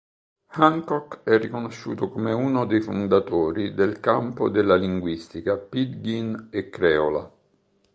Hancock è riconosciuto come uno dei fondatori del campo della linguistica pidgin e creola.